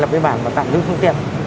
lập bế bản và tạm lưu phương tiện